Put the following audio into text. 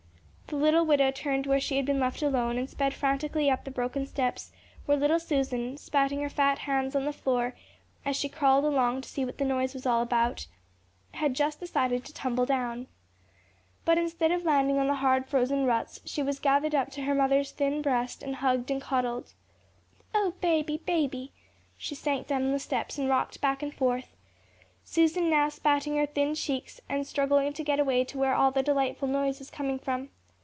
The little widow turned where she had been left alone and sped frantically up to the broken steps, where little Susan, spatting her fat hands on the floor as she crawled along to see what the noise was all about, had just decided to tumble down. But instead of landing on the hard, frozen ruts, she was gathered up to her mother's thin breast and hugged and coddled. "Oh, baby, baby." She sank down on the steps and rocked back and forth, Susan now spatting her thin cheeks and struggling to get away to where all that delightful noise was coming from.